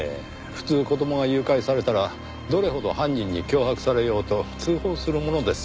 普通子供が誘拐されたらどれほど犯人に脅迫されようと通報するものです。